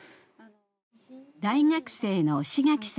大学生の志垣さん。